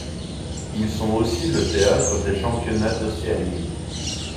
Ils sont aussi le théâtre des Championnats d'Océanie.